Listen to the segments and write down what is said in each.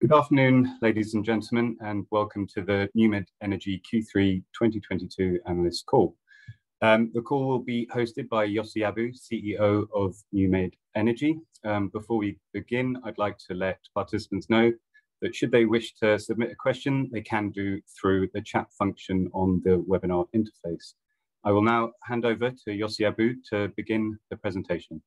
Good afternoon, ladies and gentlemen, and welcome to the NewMed Energy Q3 2022 analyst call. The call will be hosted by Yossi Abu, CEO of NewMed Energy. Before we begin, I'd like to let participants know that should they wish to submit a question, they can do through the chat function on the webinar interface. I will now hand over to Yossi Abu to begin the presentation.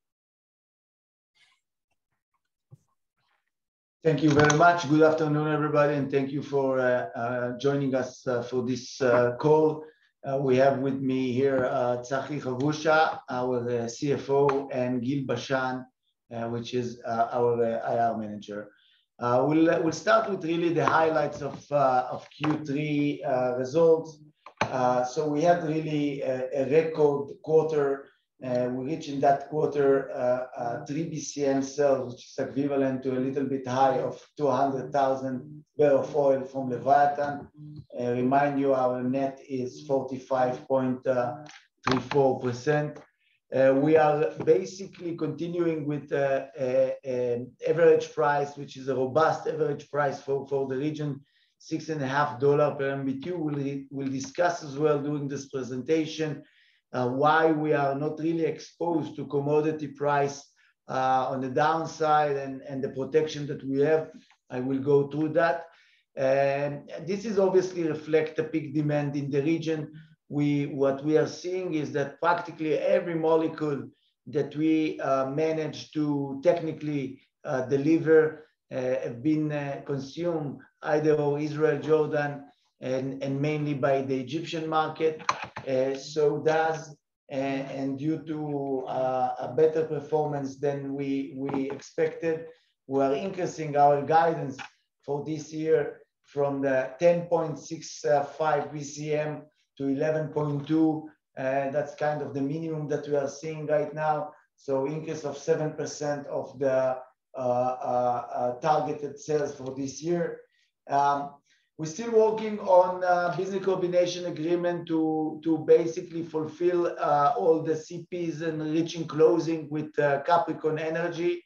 Thank you very much. Good afternoon, everybody, and thank you for joining us for this call. We have with me here Tzachi Habusha, our CFO, and Guil Bashan, our IR manager. We'll start with really the highlights of Q3 results. We had really a record quarter. We reached in that quarter 3 BCM sales, which is equivalent to a little bit high of 200,000 barrel of oil from Leviathan. Remind you our net is 45.34%. We are basically continuing with average price, which is a robust average price for the region, $6.5 per MMBtu. We'll discuss as well during this presentation, why we are not really exposed to commodity price on the downside and the protection that we have. I will go through that. This is obviously reflect the peak demand in the region. What we are seeing is that practically every molecule that we manage to technically deliver have been consumed either Israel, Jordan, and mainly by the Egyptian market. Due to a better performance than we expected, we are increasing our guidance for this year from the 10.65 BCM to 11.2. That's kind of the minimum that we are seeing right now. Increase of 7% of the targeted sales for this year. We're still working on business combination agreement to basically fulfill all the CPs and reaching closing with Capricorn Energy.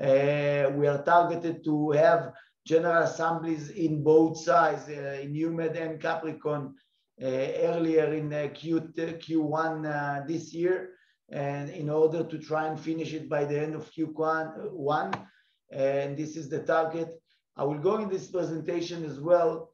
We are targeted to have general assemblies in both sides, in NewMed and Capricorn, earlier in the Q1 this year, in order to try and finish it by the end of Q1. This is the target. I will go in this presentation as well,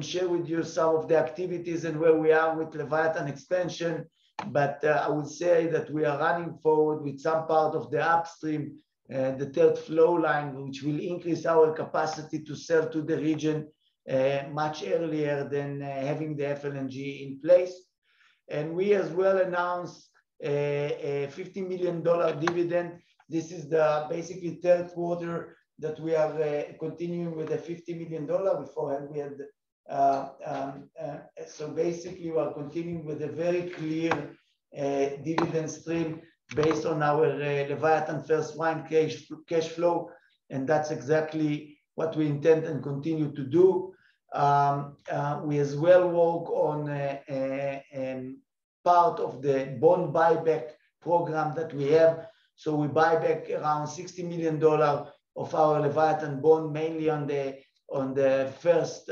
share with you some of the activities and where we are with Leviathan expansion. I would say that we are running forward with some part of the upstream, the third flow line, which will increase our capacity to sell to the region, much earlier than having the FLNG in place. We as well announced a $50 million dividend. This is the basically third quarter that we are continuing with the $50 million. Beforehand we had. Basically, we are continuing with a very clear dividend stream based on our Leviathan first line cash flow, and that's exactly what we intend and continue to do. We as well work on a part of the bond buyback program that we have. We buy back around $60 million of our Leviathan bond, mainly on the first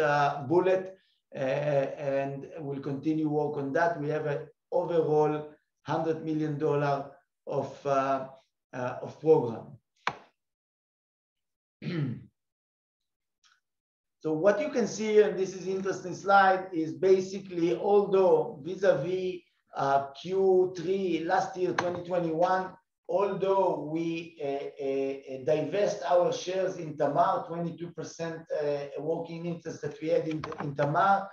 bullet, and we'll continue work on that. We have a overall $100 million of program. What you can see, and this is interesting slide, is basically although vis-a-vis Q3 last year, 2021, although we divest our shares in Tamar, 22% working interest that we had in Tamar,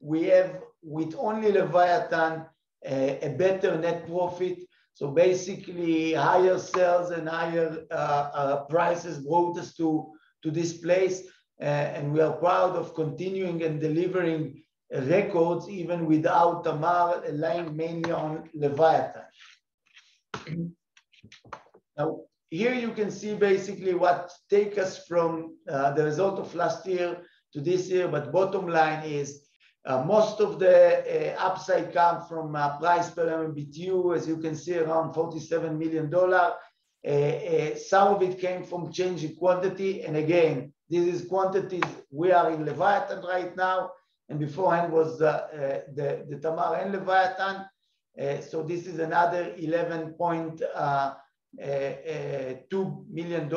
we have with only Leviathan a better net profit. Basically higher sales and higher prices brought us to this place. And we are proud of continuing and delivering records even without Tamar relying mainly on Leviathan. Here you can see basically what take us from the result of last year to this year, bottom line is most of the upside come from price per MMBtu, as you can see around $47 million. Some of it came from change in quantity. Again, this is quantities we are in Leviathan right now, and beforehand was the Tamar and Leviathan. This is another $11.2 million.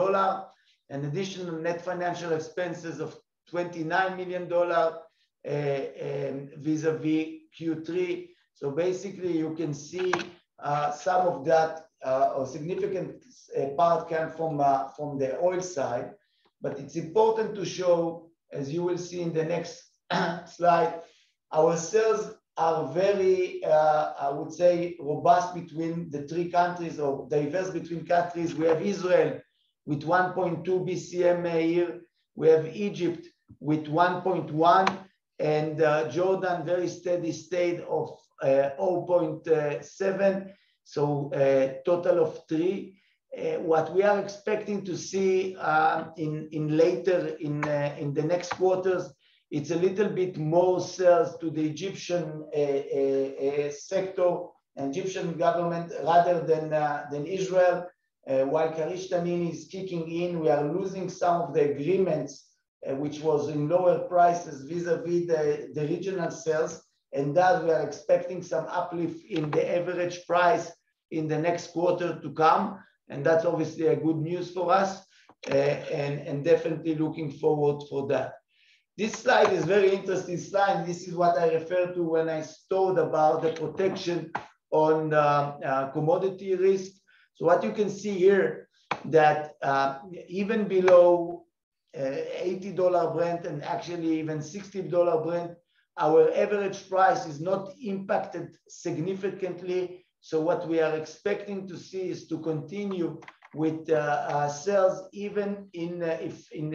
An additional net financial expenses of $29 million vis-a-vis Q3. Basically you can see some of that, or significant part came from the oil side. It's important to show, as you will see in the next slide, our sales are very, I would say, robust between the three countries or diverse between countries. We have Israel with 1.2 BCMA year. We have Egypt with 1.1, and Jordan very steady state of 0.7. A total of 3. What we are expecting to see, in later in the next quarters, it's a little bit more sales to the Egyptian sector and Egyptian government rather than than Israel. While Karish Tanin is kicking in, we are losing some of the agreements, which was in lower prices vis-a-vis the regional sales, thus we are expecting some uplift in the average price in the next quarter to come, that's obviously a good news for us, definitely looking forward for that. This slide is very interesting slide, this is what I referred to when I told about the protection on commodity risk. What you can see here that, even below $80 Brent and actually even $60 Brent, our average price is not impacted significantly. What we are expecting to see is to continue with sales even in if in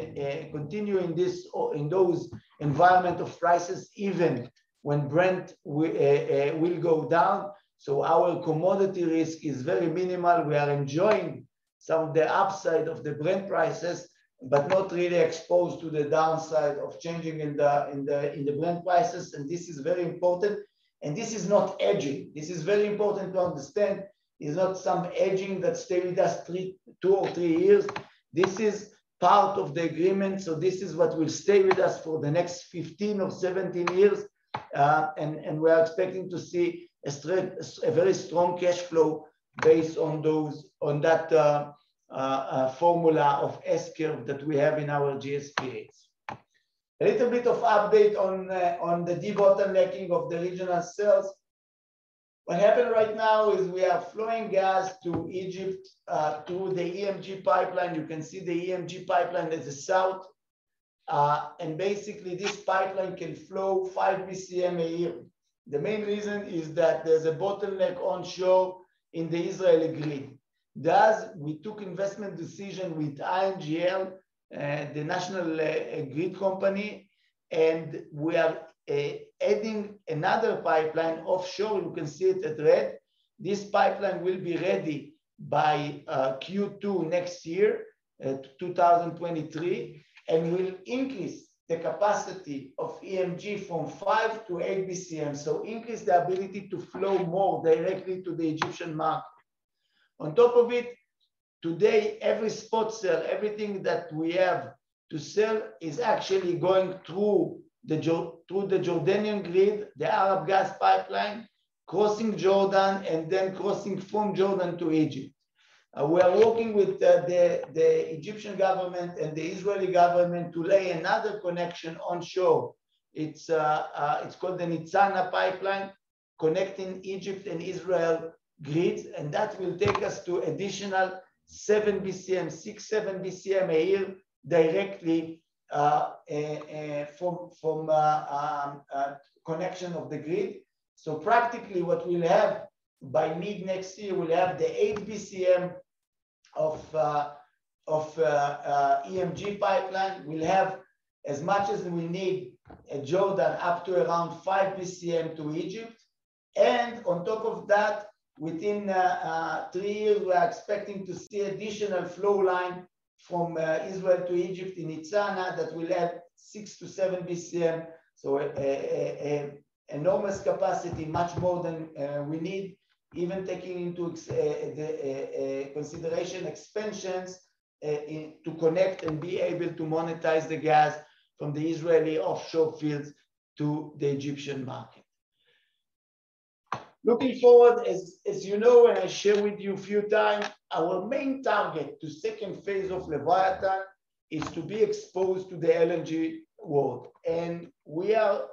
continue in this or in those environment of prices, even when Brent will go down. Our commodity risk is very minimal. We are enjoying some of the upside of the Brent prices, but not really exposed to the downside of changing in the Brent prices. This is very important. This is not hedging. This is very important to understand. It's not some hedging that stay with us two or three years. This is part of the agreement. This is what will stay with us for the next 15 or 17 years. We are expecting to see a very strong cashflow based on those, on that formula of S-curve that we have in our GSPA. A little bit of update on the debottlenecking of the regional sales. What happen right now is we are flowing gas to Egypt through the EMG pipeline. You can see the EMG pipeline in the south. Basically, this pipeline can flow 5 BCM a year. The main reason is that there's a bottleneck onshore in the Israeli grid. Thus, we took investment decision with INGL, the national grid company, we are adding another pipeline offshore. You can see it at red. This pipeline will be ready by Q2 next year, 2023, will increase the capacity of EMG from 5 to 8 BCM, increase the ability to flow more directly to the Egyptian market. On top of it, today, every spot sale, everything that we have to sell is actually going through the Jordanian grid, the Arab gas pipeline, crossing Jordan, then crossing from Jordan to Egypt. We are working with the Egyptian government and the Israeli government to lay another connection onshore. It's called the Nitzana pipeline, connecting Egypt and Israel grids, that will take us to additional 6, 7 BCM a year directly from connection of the grid. Practically what we'll have by mid-next year, we'll have the 8 BCM of EMG pipeline. We'll have as much as we need, Jordan up to around 5 BCM to Egypt. On top of that, within three years, we are expecting to see additional flow line from Israel to Egypt in Nitzana that will add 6-7 BCM. enormous capacity, much more than we need, even taking into consideration expansions in to connect and be able to monetize the gas from the Israeli offshore fields to the Egyptian market. Looking forward, as you know, and I share with you a few times, our main target to second phase of Leviathan is to be exposed to the LNG world. We are,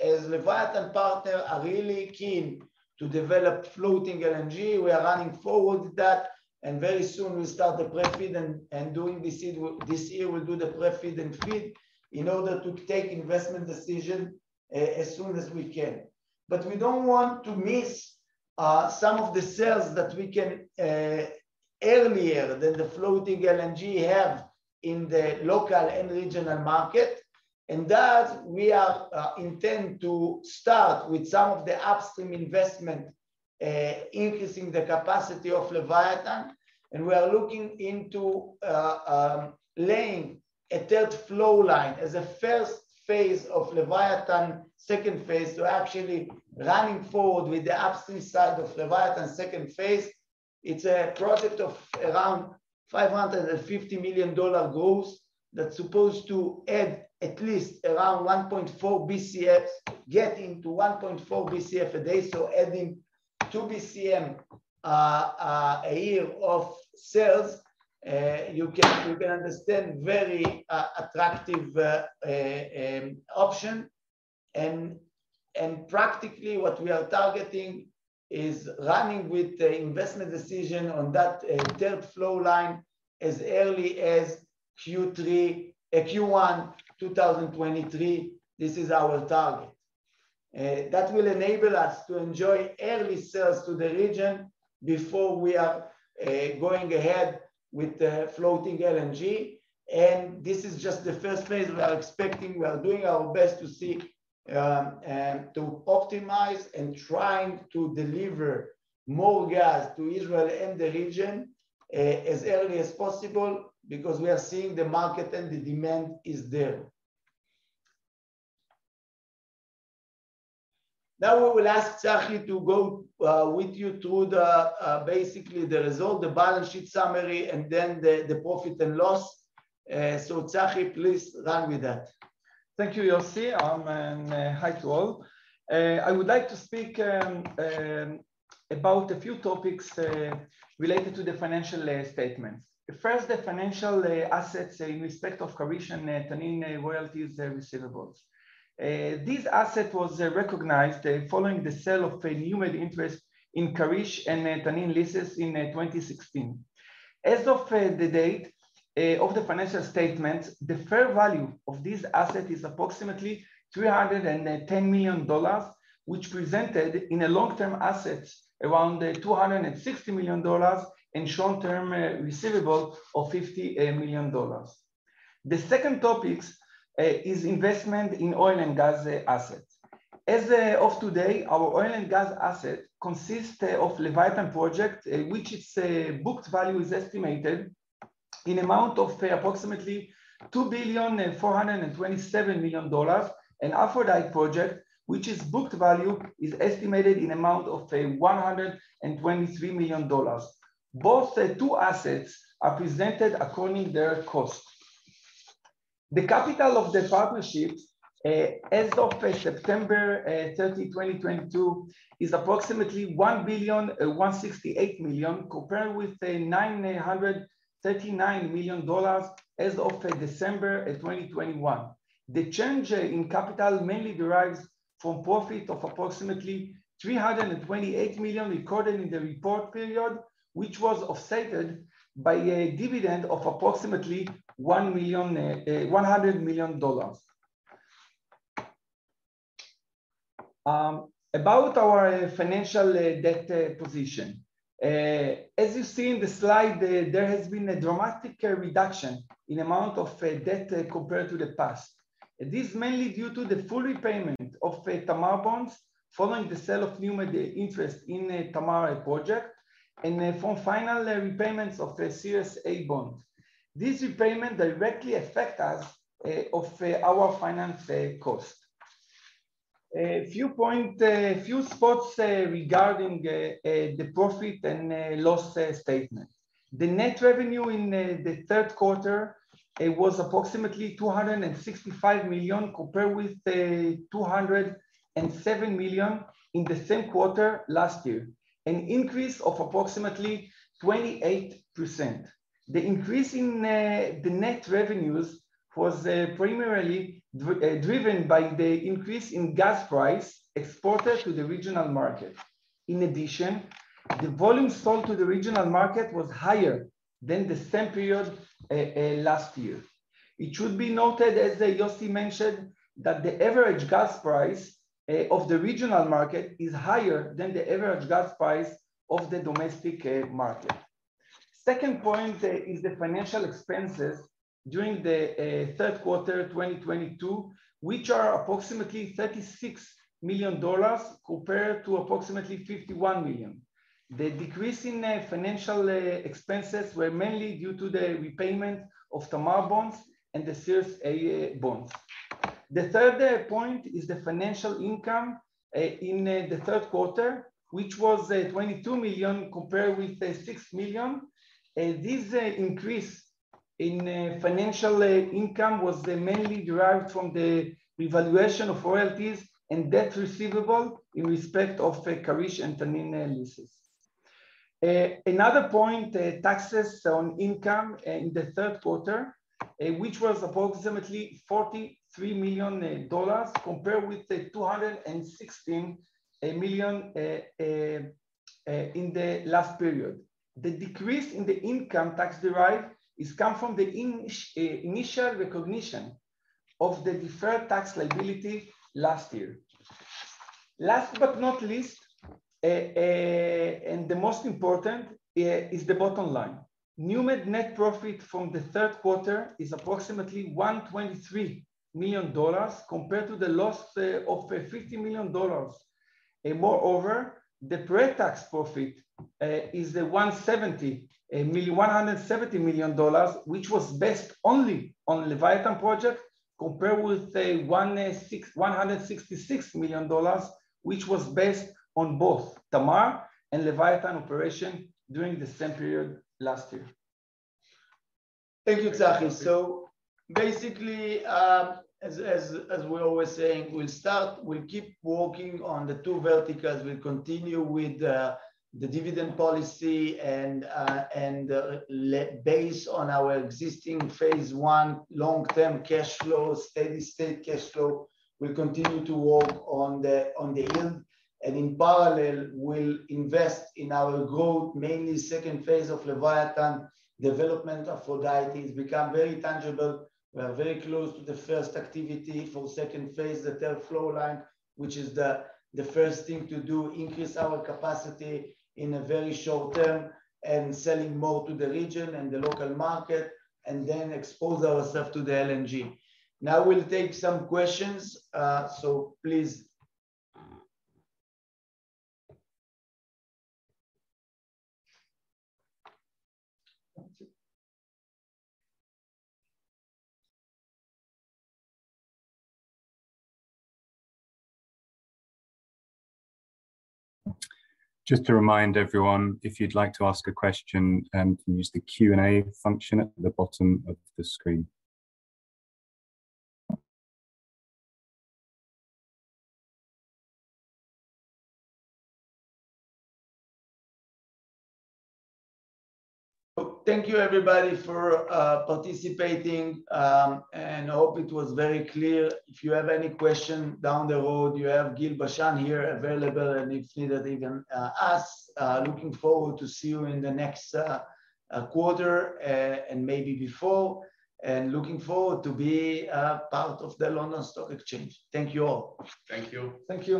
as Leviathan partner, are really keen to develop floating LNG. We are running forward with that, and very soon we'll start the pre-FEED and doing this year, we'll do the pre-FEED and FEED in order to take investment decision as soon as we can. We don't want to miss some of the sales that we can earlier than the floating LNG have in the local and regional market. Thus, we are intend to start with some of the upstream investment increasing the capacity of Leviathan, and we are looking into laying a third flow line as a first phase of Leviathan second phase. Actually running forward with the upstream side of Leviathan second phase. It's a project of around $550 million gross that's supposed to add at least around 1.4 BCF, getting to 1.4 BCF a day, adding 2 BCM a year of sales. You can understand very attractive option. Practically what we are targeting is running with the investment decision on that third flow line as early as Q1 2023. This is our target. That will enable us to enjoy early sales to the region before we are going ahead with the floating LNG. This is just the first phase. We are expecting, we are doing our best to see to optimize and trying to deliver more gas to Israel and the region as early as possible because we are seeing the market and the demand is there. Now we will ask Tzachi to go with you through the basically the result, the balance sheet summary, and then the profit and loss. Tzachi, please run with that. Thank you, Yossi. Hi to all. I would like to speak about a few topics related to the financial statements. First, the financial assets in respect of Karish and Tanin royalties and receivables. This asset was recognized following the sale of a NewMed interest in Karish and Tanin leases in 2016. As of the date of the financial statement, the fair value of this asset is approximately $310 million, which presented in a long-term assets around $260 million in short-term receivables of $50 million. The second topics is investment in oil and gas assets. As of today, our oil and gas asset consists of Leviathan project, which its booked value is estimated in amount of approximately $2,427 million, and Aphrodite project, which its booked value is estimated in amount of $123 million. Both two assets are presented according their cost. The capital of the partnership as of September 30, 2022, is approximately $1,168 million, compared with $939 million as of December 2021. The change in capital mainly derives from profit of approximately $328 million recorded in the report period, which was offset by a dividend of approximately $100 million. About our financial debt position. As you see in the slide, there has been a dramatic reduction in amount of debt compared to the past. This is mainly due to the full repayment of Tamar bonds following the sale of NewMed interest in Tamar project and from final repayments of the Series A bonds. This repayment directly affect us, of our finance cost. A few spots regarding the profit and loss statement. The net revenue in the third quarter, it was approximately $265 million compared with $207 million in the same quarter last year, an increase of approximately 28%. The increase in the net revenues was primarily driven by the increase in gas price exported to the regional market. In addition, the volume sold to the regional market was higher than the same period last year. It should be noted, as Yossi mentioned, that the average gas price of the regional market is higher than the average gas price of the domestic market. Second point is the financial expenses during the third quarter 2022, which are approximately $36 million compared to approximately $51 million. The decrease in financial expenses were mainly due to the repayment of Tamar bonds and the Series A bonds. The third point is the financial income in the third quarter, which was $22 million compared with $6 million. This increase in financial income was mainly derived from the revaluation of royalties and debt receivable in respect of Karish and Tanin leases. Another point, taxes on income in the third quarter, which was approximately $43 million compared with $216 million in the last period. The decrease in the income tax derived is come from the initial recognition of the deferred tax liability last year. Last but not least, and the most important is the bottom line. NewMed net profit from the third quarter is approximately $123 million compared to the loss of $50 million. Moreover, the pre-tax profit is $170 million, which was based only on Leviathan project compared with $166 million, which was based on both Tamar and Leviathan operation during the same period last year. Thank you, Tzachi. Basically, as we're always saying, we'll keep working on the two verticals. We'll continue with the dividend policy and based on our existing phase one long-term cash flow, steady-state cash flow, we'll continue to work on the hill. In parallel, we'll invest in our growth, mainly second phase of Leviathan. Development of Aphrodite has become very tangible. We are very close to the first activity for second phase, the third flow line, which is the first thing to do, increase our capacity in a very short-term, and selling more to the region and the local market, and then expose ourselves to the LNG. We'll take some questions, please. Just to remind everyone, if you'd like to ask a question, you can use the Q&A function at the bottom of the screen. Thank you, everybody, for participating, and hope it was very clear. If you have any question down the road, you have Guil Bashan here available, and if needed, even us. Looking forward to see you in the next quarter, and maybe before, and looking forward to be part of the London Stock Exchange. Thank you all. Thank you. Thank you.